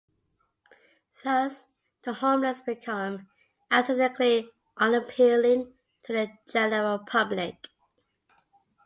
Thus, the homeless become "aesthetically unappealing" to the general public.